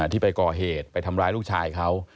ที่ไปก่อเหตุไปทำร้ายลูกชายเขา